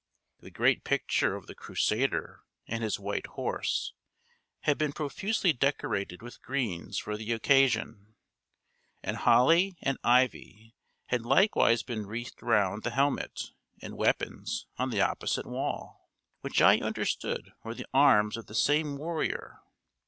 The great picture of the crusader and his white horse had been profusely decorated with greens for the occasion; and holly and ivy had likewise been wreathed round the helmet and weapons on the opposite wall, which I understood were the arms of the same warrior.